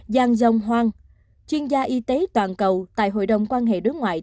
giang dông hun chuyên gia y tế toàn cầu tại hội đồng quan hệ đối ngoại